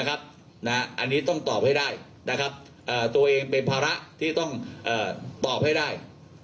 อันนี้ต้องตอบให้ได้ตัวเองเป็นภาระที่ต้องตอบให้ได้